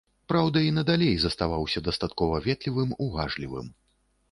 Праўда, і на далей заставаўся дастаткова ветлівым, уважлівым.